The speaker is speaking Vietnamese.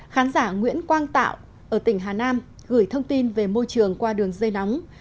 khán giả nguyễn quang tạo ở tỉnh hà nam gửi thông tin về môi trường qua đường dây nóng